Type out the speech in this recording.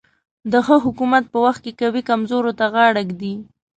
د ښه حکومت په وخت کې قوي کمزورو ته غاړه ږدي.